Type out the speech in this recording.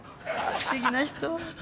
不思議な人。